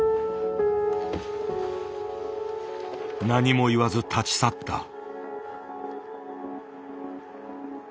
何も言わず立ち去った。